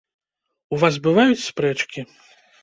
У вас бываюць спрэчкі?